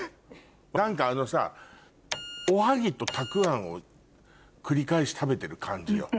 何かあのさおはぎとたくあんを繰り返し食べてる感じよ。